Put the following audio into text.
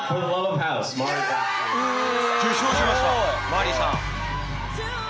受賞しましたマーリさん。